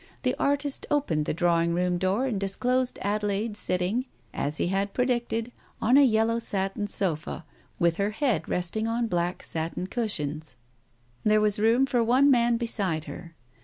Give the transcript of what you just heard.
The artist opened the drawing room door and disclosed Adelaide sitting, as he had predicted, on a yellow satin sofa, with her head resting on black satin cushions. There was room for one man beside her.